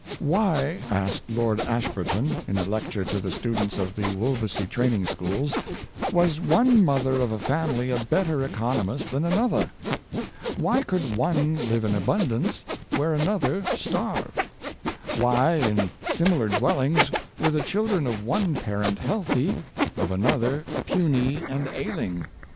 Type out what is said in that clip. Why," asked Lord Ashburton in a lecture to the students of the Wolvesey training schools, " was one mother of a family a better economist than another? Why could one live in abundance where another starved? Why, in similar dwellings, were the children of one parent healthy, of another puny and ailing?